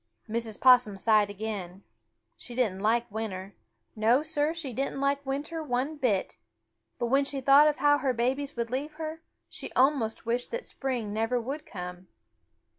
Mrs. Possum sighed again. She didn't like winter. No, Sir, she didn't like winter one bit. But when she thought of how her babies would leave her, she almost wished that spring never would come.